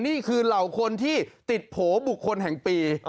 นี่คือเหล่าคนที่ติดโผล่บุคคลแห่งปี